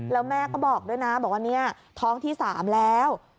แล้วแม่ก็บอกด้วยนะบอกว่าเนี่ยท้องที่๓แล้ว